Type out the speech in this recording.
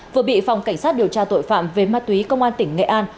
vừa bị phòng cảnh sát điều tra tội phạm về ma túy công an tỉnh nghệ an